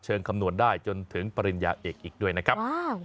คำนวณได้จนถึงปริญญาเอกอีกด้วยนะครับ